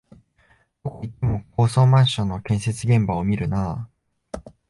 どこ行っても高層マンションの建設現場を見るなあ